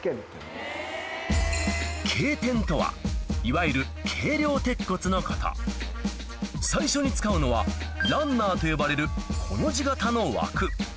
軽天とはいわゆる最初に使うのはランナーと呼ばれるコの字形の枠